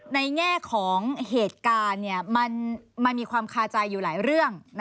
แง่ของเหตุการณ์มันมีความคาใจอยู่หลายเรื่อง